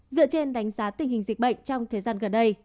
dựa trên đánh giá tình hình dịch bệnh trong thời gian gần đây